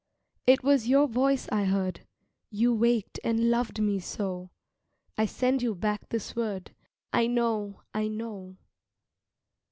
It was your voice I heard, You waked and loved me so I send you back this word, I know, I know!